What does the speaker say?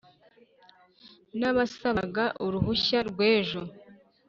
nabasabaga uruhushya rwejo”